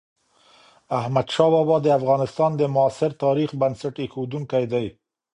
احمدشاه بابا د افغانستان د معاصر تاريخ بنسټ اېښودونکی دی.